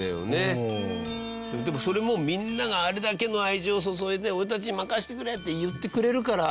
でもそれもみんながあれだけの愛情を注いで俺たちに任せてくれって言ってくれるから。